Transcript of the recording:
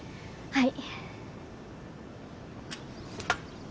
はい。